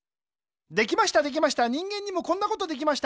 できましたできました人間にもこんなことできました。